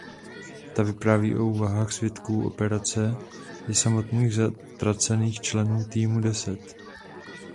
Ta vypráví o úvahách svědků operace i samotných ztracených členů týmu deset.